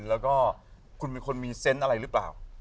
แล้วก็คุณเป็นคนมีเซนต์อะไรหรือเปล่า